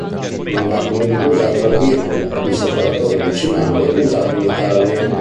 Non va comunque usata la virgola, il separatore decimale usato in Italia.